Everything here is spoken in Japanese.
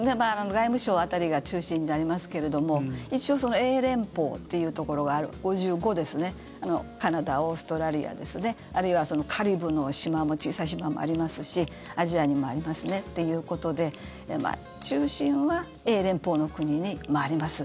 外務省辺りが中心になりますけれども一応英連邦っていうところがある５５ですねカナダ、オーストラリアですねあるいはカリブの島小さい島もありますしアジアにもありますね。ということで中心は英連邦の国に回ります。